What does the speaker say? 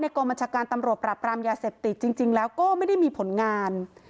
กองบัญชาการตำรวจปรับปรามยาเสพติดจริงแล้วก็ไม่ได้มีผลงาน